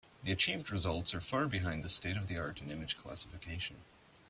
The achieved results are far behind the state-of-the-art in image classification.